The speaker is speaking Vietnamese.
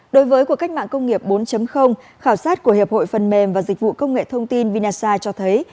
đối với cuộc cách mạng công nghiệp bốn khảo sát của hiệp hội phần mềm và dịch vụ công nghệ thông tin vinasi cho thấy